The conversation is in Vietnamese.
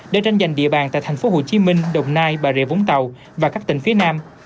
để tranh giành địa bàn tại thành phố hồ chí minh đồng nai bà rịa vũng tàu và các tỉnh phía nam